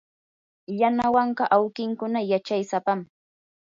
yanawanka awkinkuna yachaysapam.